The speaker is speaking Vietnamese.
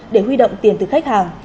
để huy động tiền từ khách hàng